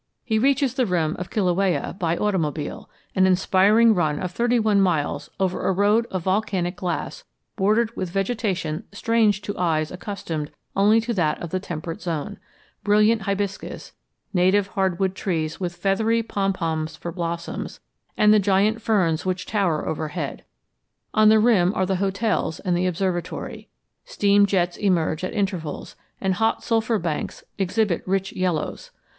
He reaches the rim of Kilauea by automobile, an inspiring run of thirty one miles over a road of volcanic glass, bordered with vegetation strange to eyes accustomed only to that of the temperate zone brilliant hibiscus, native hardwood trees with feathery pompons for blossoms, and the giant ferns which tower overhead. On the rim are the hotels and the observatory. Steam jets emerge at intervals, and hot sulphur banks exhibit rich yellows.